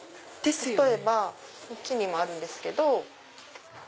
例えばこっちにもあるんですけど。